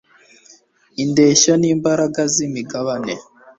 indeshyo nimbaraga zi migabane